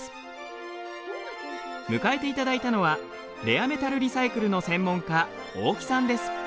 迎えていただいたのはレアメタルリサイクルの専門家大木さんです。